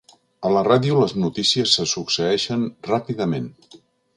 A la ràdio les notícies se succeeixen ràpidament.